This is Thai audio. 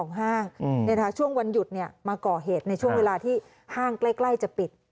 ในช่วงเวลาที่ห้างใกล้จะปิด